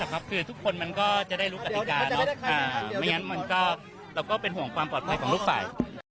คือทุกคนมันก็จะได้รู้กติกาไม่งั้นเราก็เป็นห่วงความปลอดภัยของทุกฝ่าย